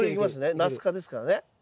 ナス科ですからね。